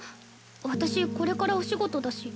私これからお仕事だし。